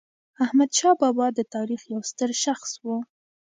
احمدشاه بابا د تاریخ یو ستر شخص و.